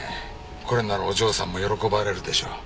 これならお嬢さんも喜ばれるでしょう。